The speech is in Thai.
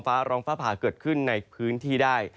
ฟ้าร้องฟ้าผ่าเกิดขึ้นในพื้นที่ได้